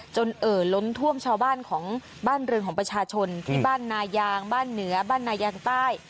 เอ่อล้นท่วมชาวบ้านของบ้านเรืองของประชาชนที่บ้านนายางบ้านเหนือบ้านนายางใต้